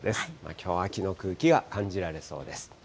きょうは秋の空気が感じられそうです。